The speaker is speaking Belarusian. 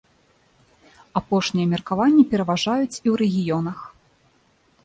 Апошнія меркаванні пераважаюць і ў рэгіёнах.